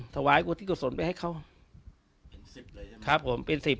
ถวายอุทิศกุศลไปให้เขาเป็นสิบเลยใช่ไหมครับผมเป็นสิบ